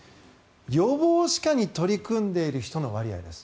予防歯科に取り組んでいる人の割合です。